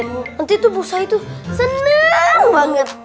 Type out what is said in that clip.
nanti tuh bos said tuh seneng banget